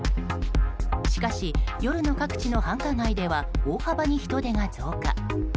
しかし、夜の各地の繁華街では大幅に人出が増加。